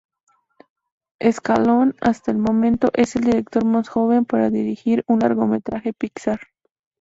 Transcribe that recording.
Scanlon, hasta el momento, es el director más joven en dirigir un largometraje Pixar.